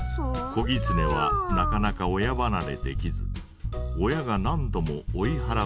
子ギツネはなかなか親ばなれできず親が何度も追いはらうのです。